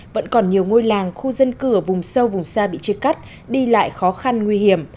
vẫn còn nhiều ngôi làng khu dân cư ở vùng sâu vùng xa bị chia cắt đi lại khó khăn nguy hiểm